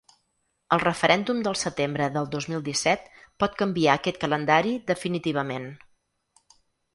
El referèndum del setembre del dos mil disset pot canviar aquest calendari definitivament.